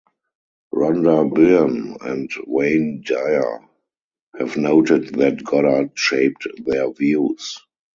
Rhonda Byrne and Wayne Dyer have noted that Goddard shaped their views.